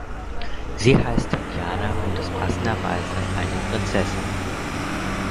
Sie heißt Tatjana und ist passenderweise eine Prinzessin.